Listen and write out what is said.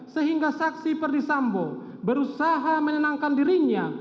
sehingga saksi perdisambo berusaha menenangkan dirinya